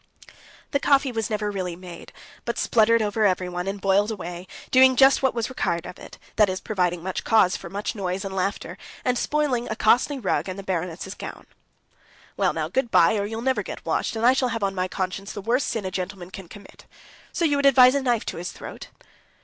The coffee was never really made, but spluttered over everyone, and boiled away, doing just what was required of it—that is, providing much cause for much noise and laughter, and spoiling a costly rug and the baroness's gown. "Well now, good bye, or you'll never get washed, and I shall have on my conscience the worst sin a gentleman can commit. So you would advise a knife to his throat?"